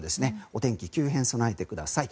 お天気の急変に備えてください。